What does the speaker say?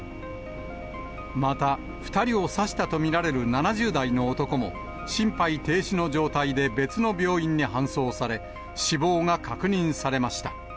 また、２人を刺したと見られる７０代の男も、心肺停止の状態で別の病院に搬送され、死亡が確認されました。